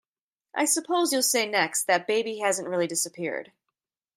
I suppose you'll say next that baby hasn't really disappeared.